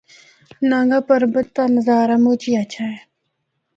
نانگا پربت دا نظارہ مُچ ہی ہچھا ہے۔